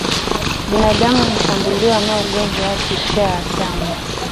Binadamu hushambuliwa na ugonjwa wa kichaa cha mbwa